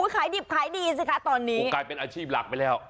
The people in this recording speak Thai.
ขายดิบขายดีสิคะตอนนี้กลายเป็นอาชีพหลักไปแล้ว